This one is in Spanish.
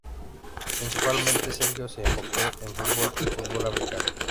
Principalmente, Sergio se enfoca en fútbol y fútbol americano.